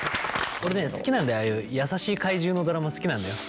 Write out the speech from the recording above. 俺ね好きなんだよああいう優しい怪獣のドラマ好きなんだよ。